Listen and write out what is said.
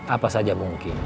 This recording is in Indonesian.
apa saja mungkin